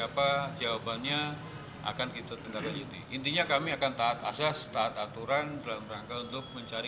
apa jawabannya akan kita terjadi intinya kami akan tak asas saat aturan dalam rangka untuk mencari